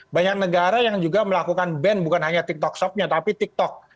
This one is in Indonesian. banyak negara yang juga melakukan ban bukan hanya tiktok shopnya tapi tiktok